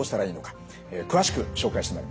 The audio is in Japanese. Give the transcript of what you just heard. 詳しく紹介してまいります。